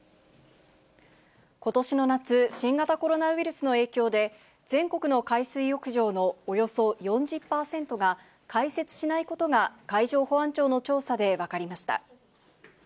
ことしの夏、新型コロナウイルスの影響で、全国の海水浴場のおよそ４０％が、開設しないことが海上保安庁の調査で分かりました。